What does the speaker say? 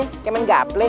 kayak main gapleh